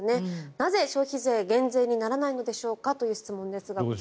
なぜ消費税減税にならないのでしょうかという質問ですが。